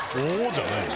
じゃないよ。